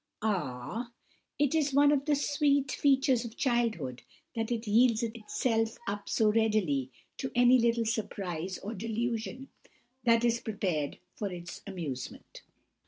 Ah! it is one of the sweet features of childhood that it yields itself up so readily to any little surprise or delusion that is prepared for its amusement.